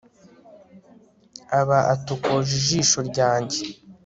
aba atokoje ijisho ryanjye